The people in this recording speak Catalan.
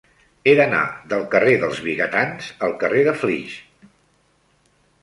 He d'anar del carrer dels Vigatans al carrer de Flix.